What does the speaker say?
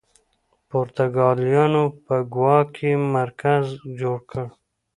پرتګالیانو په ګوا کې مرکز جوړ کړ.